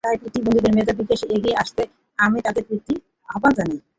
তাই প্রতিবন্ধীদের মেধা বিকাশে এগিয়ে আসতে আমি তাঁদের প্রতি আহ্বান জানাই।